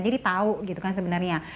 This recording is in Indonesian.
jadi tau gitu kan sebenarnya